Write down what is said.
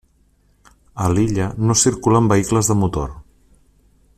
A l'illa no circulen vehicles de motor.